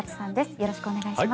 よろしくお願いします。